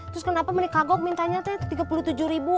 terus kenapa mending kagok mintanya ternyata tiga puluh tujuh ribu